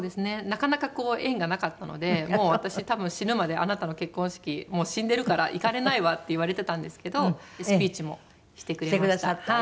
なかなか縁がなかったので「もう私多分死ぬまであなたの結婚式もう死んでるから行かれないわ」って言われてたんですけどスピーチもしてくれました。